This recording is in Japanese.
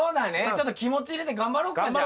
ちょっと気持ち入れて頑張ろっかじゃあ。